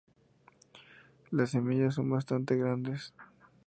Las semillas son bastante grandes.